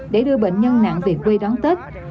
để đưa bệnh nhân nặng về quê đón tết